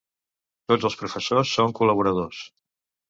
Tots els professors són col·laboradors.